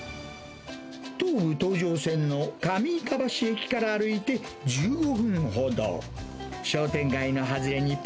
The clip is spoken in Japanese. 東武東上線の上板橋駅から歩いて１５分ほど。